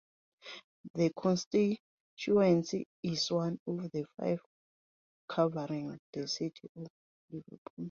The constituency is one of five covering the city of Liverpool.